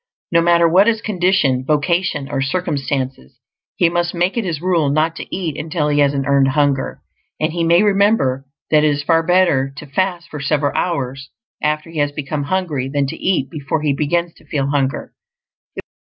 No matter what his condition, vocation, or circumstances, he must make it his rule not to eat until he has an EARNED HUNGER; and he may remember that it is far better to fast for several hours after he has become hungry than to eat before he begins to feel hunger.